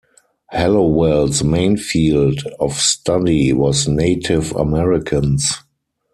Hallowell's main field of study was Native Americans.